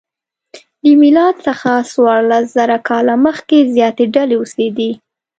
له میلاد څخه څوارلسزره کاله مخکې زیاتې ډلې اوسېدې.